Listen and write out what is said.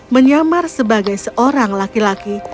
menyamar sebagai seorang laki laki